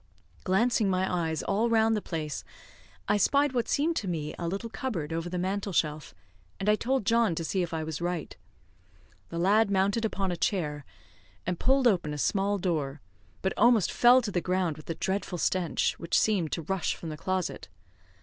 Glancing my eyes all round the place, I spied what seemed to me a little cupboard, over the mantel shelf, and I told John to see if I was right. The lad mounted upon a chair, and pulled open a small door, but almost fell to the ground with the dreadful stench which seemed to rush from the closet.